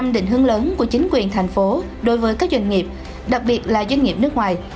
năm định hướng lớn của chính quyền thành phố đối với các doanh nghiệp đặc biệt là doanh nghiệp nước ngoài